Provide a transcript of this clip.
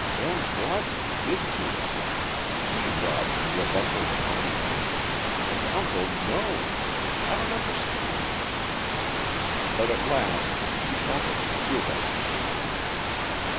"Ben Broderick did do it. He robbed me of Uncle's money. And Uncle knows! I don't understand!" But at last she thought that she did understand.